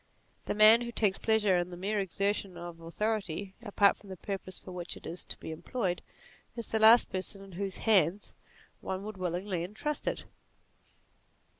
The man who takes pleasure in the mere exertion of authority, apart from the purpose for which it is to be employed, is the last person in whose hands one would willingly entrust it.